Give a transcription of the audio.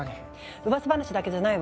うわさ話だけじゃないわ。